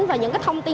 và những thông tin